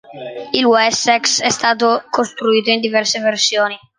Il Wessex è stato costruito in diverse versioni.